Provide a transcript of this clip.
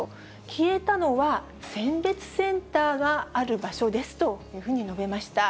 消えたのは、選別センターがある場所ですというふうに述べました。